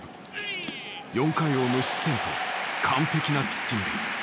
４回を無失点と完璧なピッチング。